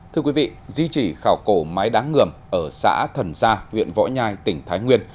thưa quý vị di trì khảo cổ mái đáng ngườm ở xã thần gia huyện võ nhai tỉnh thái nguyên